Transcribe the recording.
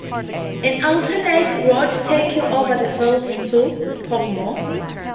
An alternate route takes you over the field to Pogmoor.